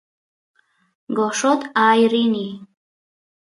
gorrot aay rini